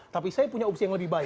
tapi saya punya opsi yang lebih baik